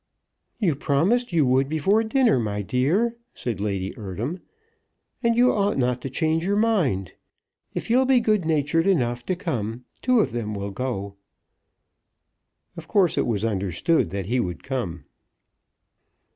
"You promised you would before dinner, my dear," said Lady Eardham, "and you ought not to change your mind. If you'll be good natured enough to come, two of them will go." Of course it was understood that he would come.